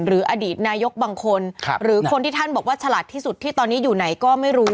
อดีตนายกบางคนหรือคนที่ท่านบอกว่าฉลาดที่สุดที่ตอนนี้อยู่ไหนก็ไม่รู้